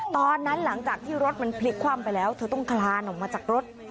หลังจากที่รถมันพลิกคว่ำไปแล้วเธอต้องคลานออกมาจากรถ